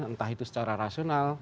entah itu secara rasional